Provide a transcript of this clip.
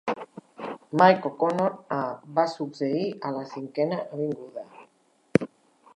Mike O'Connor a "Va succeir a la Cinquena Avinguda".